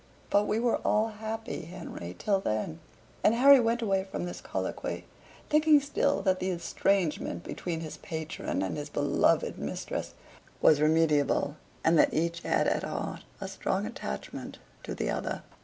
But we were all happy, Henry, till then." And Harry went away from this colloquy, thinking still that the estrangement between his patron and his beloved mistress was remediable, and that each had at heart a strong attachment to the other.